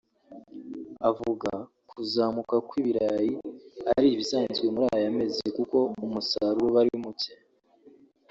avuga kuzamuka kw’ibirayi ari ibisanzwe muri aya mezi kuko umusaruro uba ari muke